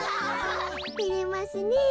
てれますねえ。